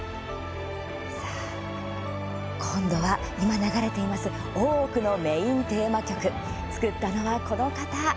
今度は今、流れています「大奥」のメインテーマ曲作ったのは、この方。